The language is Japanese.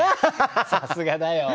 さすがだよ。